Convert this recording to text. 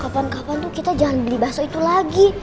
kapan kapan tuh kita jangan beli bakso itu lagi